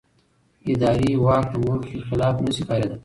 اداري واک د موخې خلاف نه شي کارېدلی.